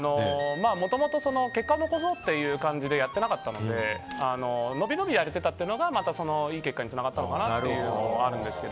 もともと結果を残そうという感じでやってなかったので伸び伸びやれてたというのがいい結果につながったのかなと思うんですが。